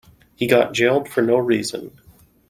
He got jailed for no reason.